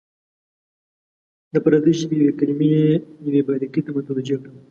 د پردۍ ژبې یوې کلمې یوې باریکۍ ته متوجه کړم.